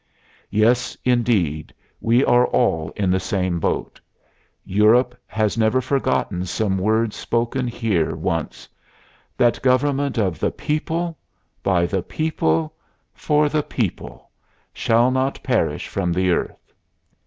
Yes, indeed; we are all in the same boat. Europe has never forgotten some words spoken here once: "That government of the people, by the people, for the people, shall not perish from the earth."